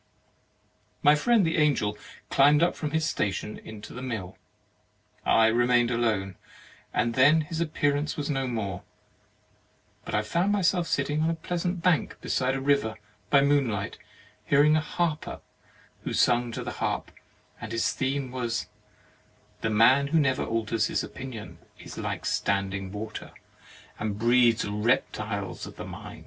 My friend the Angel climbed up from his station into the mill. I remained alone, and then this ap pearance was no more; but I found myself sitting on a pleasant bank beside a river by moonlight, hearing a harper who sung to the harp; and his theme was: "The man who never alters his opinion is like standing water, and breeds reptiles of the mind."